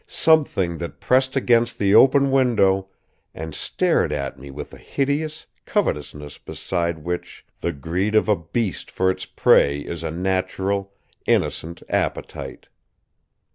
Something that pressed against the open window and stared at me with a hideous covetousness beside which the greed of a beast for its prey is a natural, innocent appetite.